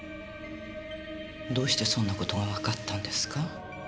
どうしてそんな事がわかったんですか？